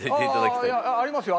ありますよ。